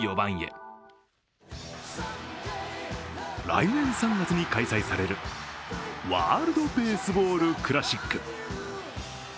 来年３月に開催されるワールドベースボールクラシック。